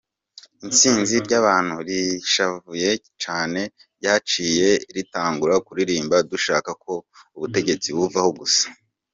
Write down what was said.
Isinzi ry'abantu rishavuye cane ryaciye ritangura kuririmba "dushaka ko ubutegetsi buvaho gusa".